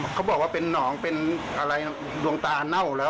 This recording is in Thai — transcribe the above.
เขาบอกว่าเป็นหนองเป็นอะไรดวงตาเน่าแล้ว